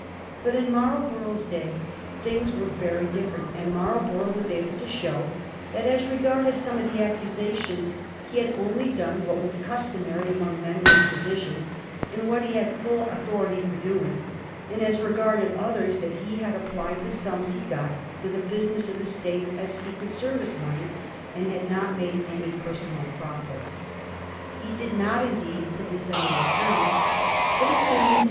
But in Marlborough's day things were very different, and Marlborough was able to show that, as^ regarded some of the accusations, he had only done what was customary among men in his position, and what he had full authority for doing ; and, as regarded others, that he had applied the sums he got to the business of the State as secret service money, and had not made any personal profit. He did not, indeed, produce any accounts ; but, assuming his.